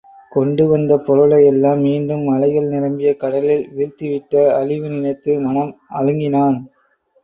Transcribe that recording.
கொண்டு வந்த பொருளை எல்லாம் மீண்டும் அலைகள் நிரம்பிய கடலில் வீழ்த்திவிட்ட அழிவு நினைத்து மனம் அழுங்கினான்.